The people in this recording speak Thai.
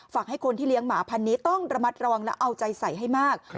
ให้คนที่เลี้ยงหมาพันนี้ต้องระมัดระวังและเอาใจใส่ให้มาก